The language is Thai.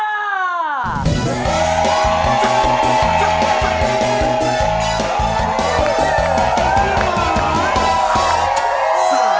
อ้าวอ้ายตายแล้ว